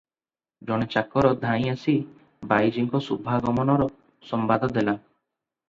ଜଣେ ଚାକର ଧାଇଁଆସି ବାଇଜୀଙ୍କ ଶୁଭାଗମନର ସମ୍ବାଦ ଦେଲା ।